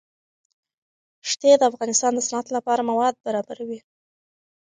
ښتې د افغانستان د صنعت لپاره مواد برابروي.